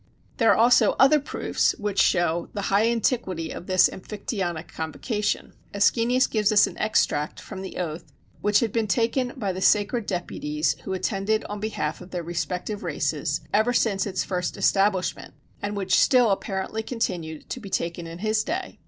There are also other proofs which show the high antiquity of this Amphictyonic convocation. Æschines gives us an extract from the oath which had been taken by the sacred deputies who attended on behalf of their respective races, ever since its first establishment, and which still apparently continued to be taken in his day.